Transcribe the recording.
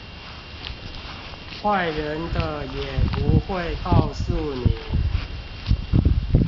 壞人的也不會告訴你